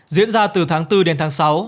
diễn ra từ tháng bốn đến tháng sáu